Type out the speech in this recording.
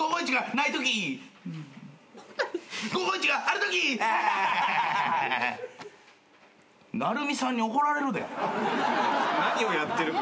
なるみさんに怒られるで。